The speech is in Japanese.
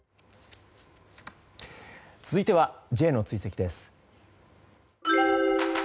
続いてはＪの追跡です。